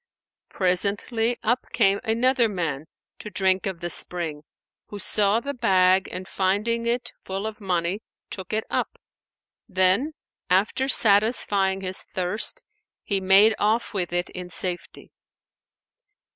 Presently up came another man to drink of the spring, who saw the bag and finding it full of money took it up; then, after satisfying his thirst, he made off with it in safety.